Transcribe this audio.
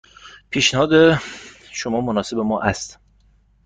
پیشنهاد شما مناسب ما است.